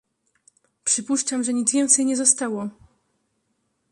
"Przypuszczam, że nic więcej nie zostało."